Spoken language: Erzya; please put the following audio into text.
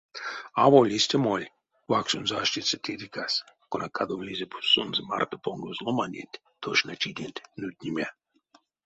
Аволь истямоль вакссонзо аштиця тейтерькась, кона кадовлизе бу сонзэ марто понгозь ломаненть тошначиденть нуднеме.